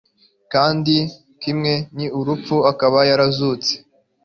kandi kimwe n urupfu akaba yarazutse